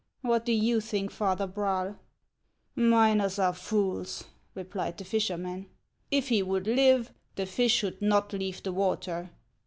What do you think, Father Braal ?"" Miners are fools," replied the fisherman. " If he would live, the fish should not leave the water.